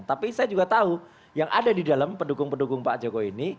tapi saya juga tahu yang ada di dalam pendukung pendukung pak jokowi ini